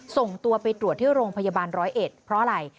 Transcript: ส่งตัวไปตรวจที่โรงพยาบาลร้อยเอ็ดเพราะอะไร